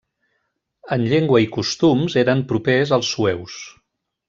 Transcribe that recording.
En llengua i costums eren propers als sueus.